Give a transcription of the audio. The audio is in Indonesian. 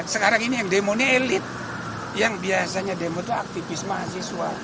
sekarang ini yang demo ini elit yang biasanya demo itu aktivis mahasiswa